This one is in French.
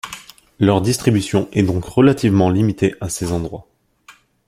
Leur distribution est donc relativement limitée à ces endroits.